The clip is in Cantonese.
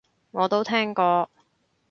我都聽過